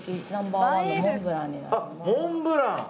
モンブラン！